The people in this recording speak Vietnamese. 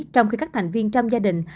trong khi các thành viên trong gia đình